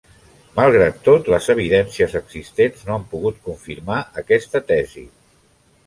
Malgrat tot, les evidències existents no han pogut confirmar aquesta tesi.